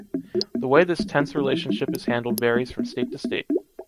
The way this tense relationship is handled varies from state to state.